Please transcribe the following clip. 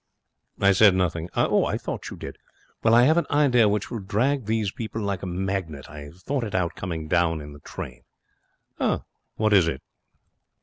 'I said nothing.' 'I thought you did. Well, I have an idea which will drag these people like a magnet. I thought it out coming down in the train.' 'What is it?'